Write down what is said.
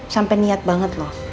sampai niat banget loh